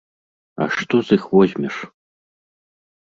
А што з іх возьмеш?